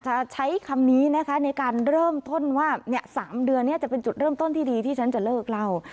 จะใช้คำนี้นะคะในการเริ่มต้นว่า๓เดือนนี้จะเป็นจุดเริ่มต้นที่ดีที่ฉันจะเลิกเล่า